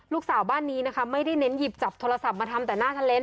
ลูกสาวบ้านนี้นะคะไม่ได้เน้นหยิบจับโทรศัพท์มาทำแต่หน้าทะเลน